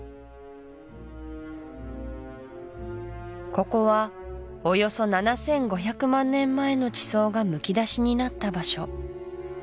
ここはおよそ７５００万年前の地層がむき出しになった場所